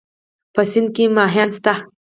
په سيند کې مهيان شته؟